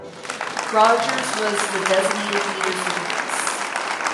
Rogers was the designated leader for the race.